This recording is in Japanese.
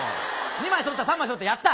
２枚そろった３枚そろったやった！